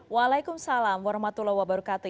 walaikum salam warahmatullahi wabarakatuh